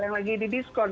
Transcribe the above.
yang lagi di diskon